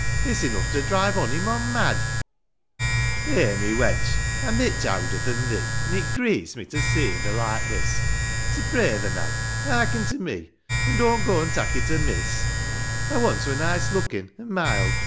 It's enough to drive ony mon mad !" 11. '*Eh, my wench I'm mich owder than thee, An' it grieves me to see tho like this ; So, pray tho, now, hearken to me ; An' don't go an' tak' it amiss : Thou once wur nice lookin', an' mild.